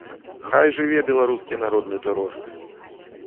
Хай жыве беларускі народны тэрор!